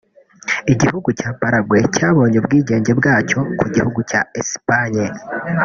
Igihugu cya Paraguay cyabonye ubwigenge bwacyo ku gihugu cya Espagne